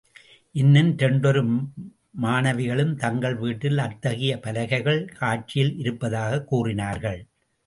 இன்னும் இரண்டொரு மாணவிகளும் தங்கள் வீட்டில் அத்தகைய பலகைகள் காட்சியில் இருப்பதாகக் கூறினார்கள்.